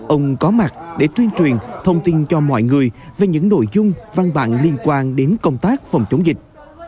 ông có mặt để tuyên truyền thông tin cho mọi người về những nội dung văn bản liên quan đến công tác phòng chống dịch